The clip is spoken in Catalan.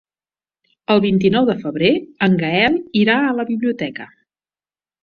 El vint-i-nou de febrer en Gaël irà a la biblioteca.